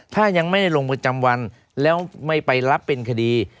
ถ้ายังไม่ได้ลงประจำวันแล้วไม่ไปรับเป็นคดี